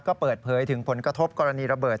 ก็เปิดเผยถึงผลกระทบกรณีระเบิด